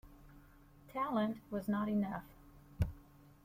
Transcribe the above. Talent was not enough.